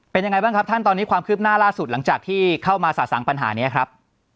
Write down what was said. เป็นยังไงบ้างครับท่านตอนนี้ความคืบหน้าล่าสุดหลังจากที่เข้ามาสะสังปัญหานี้ครับ